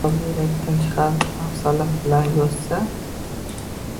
Agar muallif kitobni yurakdan chiqarib, hafsala bilan yozsa